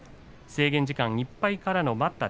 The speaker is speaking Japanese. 制限時間いっぱいからの待った。